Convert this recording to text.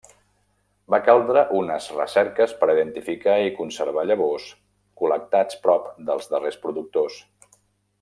Va caldre unes recerques per identificar i conservar llavors col·lectats prop dels darreres productors.